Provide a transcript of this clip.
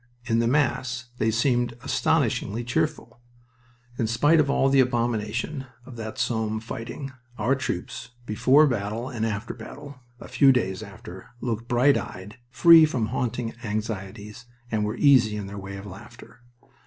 In the mass they seemed astoundingly cheerful. In spite of all the abomination of that Somme fighting our troops before battle and after battle a few days after looked bright eyed, free from haunting anxieties, and were easy in their way of laughter.